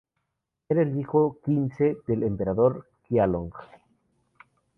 Era el hijo quince del emperador Qianlong.